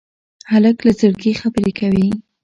هلک له زړګي خبرې کوي.